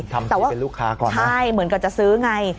ว่าเป็นลูกค้าก่อนใช่เหมือนกับจะซื้อไง